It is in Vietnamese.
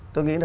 tôi nghĩ là